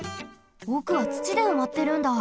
おくはつちでうまってるんだ。